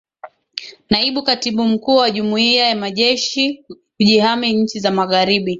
naibu katibu mkuu wa jumuiya majeshi ya kujihami nchi za magharibi